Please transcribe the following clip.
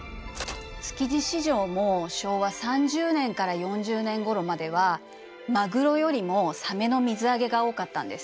築地市場も昭和３０年から４０年ごろまではマグロよりもサメの水揚げが多かったんです。